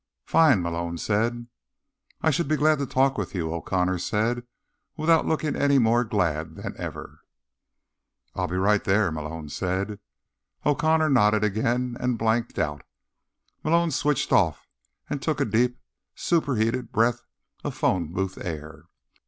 "Fine," Malone said. "I should be glad to talk with you," O'Connor said, without looking any more glad than ever. "I'll be right there," Malone said. O'Connor nodded again, and blanked out. Malone switched off and took a deep, superheated breath of phone booth air.